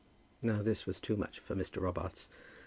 Now this was too much for Mr. Robarts.